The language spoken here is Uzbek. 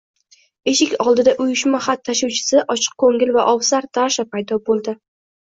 Eshik oldida Uyushma xat tashuvchisi – ochiqkoʻngil va ovsar Dasha paydo boʻldi.